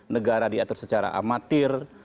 negara diatur secara amatir